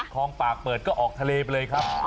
คลองปากเปิดก็ออกทะเลไปเลยครับ